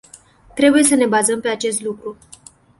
Trebuie să ne bazăm pe acest lucru.